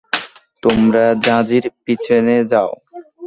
তোমরা জাজির পিছনে যাও।